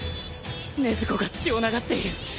禰豆子が血を流している！